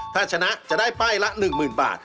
ถ้าชนะจะได้ป้ายละ๑๐๐๐บาท